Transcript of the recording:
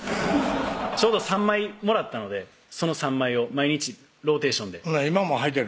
ちょうど３枚もらったのでその３枚を毎日ローテーションで今もはいてんの？